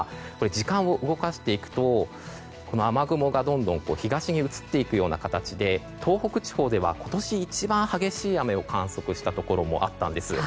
時間を動かしていくと雨雲がどんどんと東に移っていくような形で東北地方では今年一番激しい雨を観測したところもあったんです。